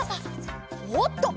おっと！